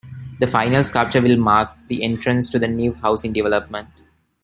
The final sculpture will mark the entrance to the new housing development.